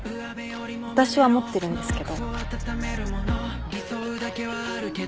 私は持ってるんですけど。